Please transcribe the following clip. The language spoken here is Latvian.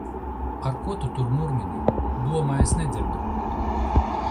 Ar ko tu tur murmini? Domā, es nedzirdu!